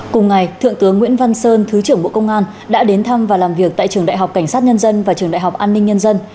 cùng ngày thượng tướng nguyễn văn sơn thứ trưởng bộ công an đã đến thăm và làm việc tại trường đại học cảnh sát nhân dân và trường đại học an ninh nhân dân